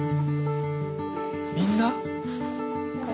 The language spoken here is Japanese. みんな？へ。